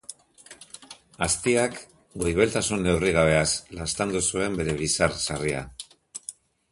Aztiak goibeltasun neurrigabeaz laztandu zuen bere bizar sarria.